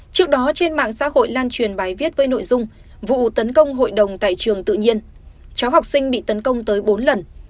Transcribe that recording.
trước đó trên mạng xã hội lan truyền bài viết với nội dung vụ tấn công hội đồng tại trường tự nhiên cháu học sinh bị tấn công tới bốn lần